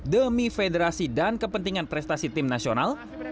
demi federasi dan kepentingan prestasi timnya